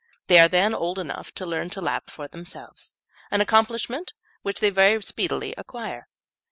They are then old enough to learn to lap for themselves, an accomplishment which they very speedily acquire.